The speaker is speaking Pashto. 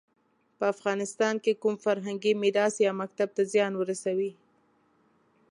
په افغانستان کې کوم فرهنګي میراث یا مکتب ته زیان ورسوي.